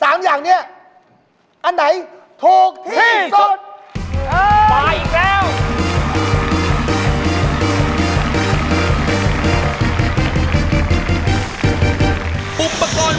อันนี้ถูกสุด